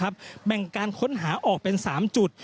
แบ่งการค้นหาออกเป็น๓จุด